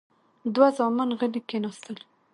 دوه زامن غلي کېناستل.